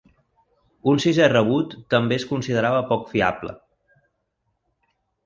Un sisè rebut també es considerava poc fiable.